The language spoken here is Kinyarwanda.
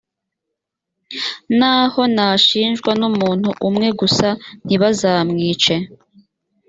naho nashinjwa n’umuntu umwe gusa, ntibazamwice.